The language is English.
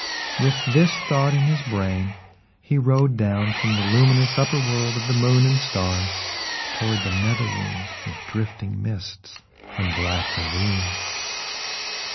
With this thought in his brain, he rode down from the luminous upper world of the moon and stars toward the nether world of drifting mists and black ravines.